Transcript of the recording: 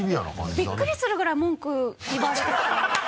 びっくりするぐらい文句言われてて。